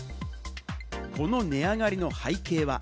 この値上がりの背景は？